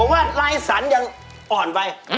ว่าไร้สันยังอ่อนไป